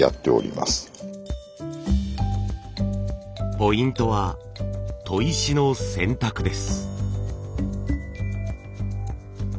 ポイントは砥石の選択です。